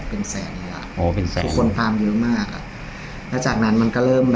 เป็นหมอใช่ไหม